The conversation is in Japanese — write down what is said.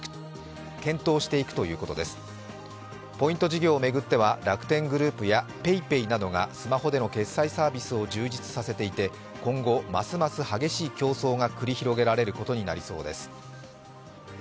事業を巡っては楽天グループやＰａｙＰａｙなどがスマホでの決済サービスを充実させていて今後、ますます激しい競争が繰り広げられることになりそうです。